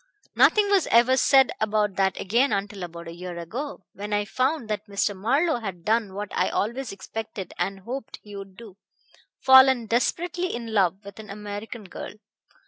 "Nothing was ever said about that again until about a year ago, when I found that Mr. Marlowe had done what I always expected and hoped he would do fallen desperately in love with an American girl.